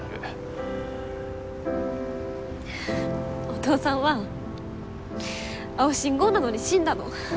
お父さんは青信号なのに死んだの。